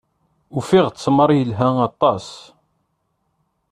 Ufiɣ ttmeṛ yelha aṭas.